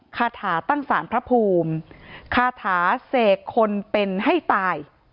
คาถาตั้งสารพระภูมิคาถาเสกคนเป็นให้ตาย